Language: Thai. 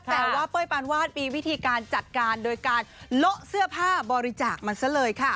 แต่ว่าเป้ยปานวาดมีวิธีการจัดการโดยการโละเสื้อผ้าบริจาคมันซะเลยค่ะ